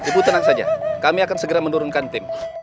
ibu tenang saja kami akan segera menurunkan tim